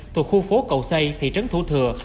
từ khu phố cầu xây thị trấn thủ thừa